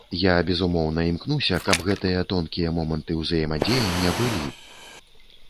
Я, безумоўна, імкнуся, каб гэтыя тонкія моманты ўзаемадзеяння былі.